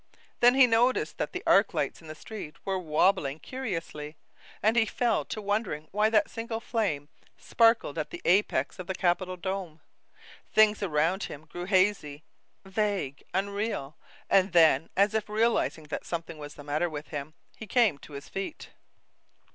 Then he noticed that the arc lights in the street were wobbling curiously, and he fell to wondering why that single flame sparkled at the apex of the capitol dome. Things around him grew hazy, vague, unreal, and then, as if realizing that something was the matter with him, he came to his feet.